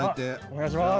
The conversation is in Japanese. お願いします。